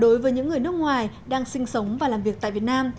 đối với những người nước ngoài đang sinh sống và làm việc tại việt nam